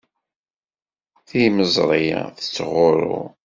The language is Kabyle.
Timeẓri tettɣurru.